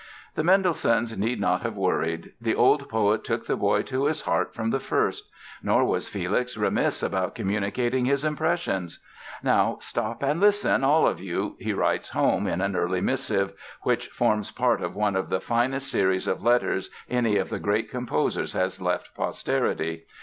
The Mendelssohns need not have worried. The old poet took the boy to his heart from the first. Nor was Felix remiss about communicating his impressions. "Now, stop and listen, all of you", he writes home in an early missive which forms part of one of the finest series of letters any of the great composers has left posterity.